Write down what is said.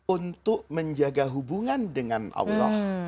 untuk menjaga hubungan dengan allah